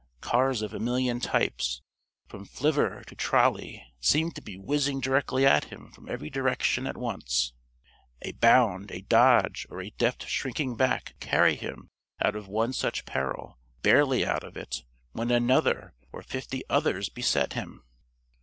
Cars of a million types, from flivver to trolley, seemed to be whizzing directly at him from every direction at once. A bound, a dodge, or a deft shrinking back would carry him out of one such peril barely out of it when another, or fifty others, beset him.